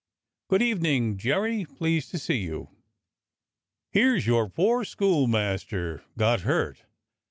Good evening, Jerry; pleased to see you. Here's your poor schoolmaster got hurt.